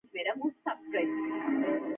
غلام محمدخان اطلاع ورکړه.